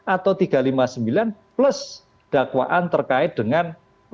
atau tiga ratus lima puluh sembilan plus dakwaan terkait dengan